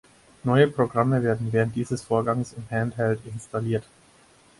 Neue Programme werden während dieses Vorgangs im Handheld installiert.